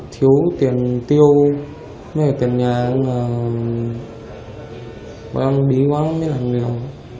thiếu tiền tiêu tiền nhà bọn em đi vắng với làm điều